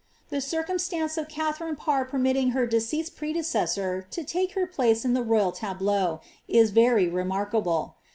e circumstance of Katharine Parr permitting her deceased prede ' to take her place in the royal tableau, is very remarkable.